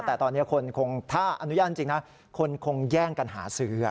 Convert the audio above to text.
แต่ตอนนี้คนคงถ้าอนุญาตจริงนะคนคงแย่งกันหาซื้อ